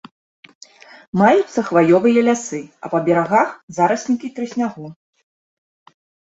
Маюцца хваёвыя лясы, а па берагах зараснікі трыснягу.